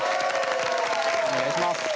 お願いします。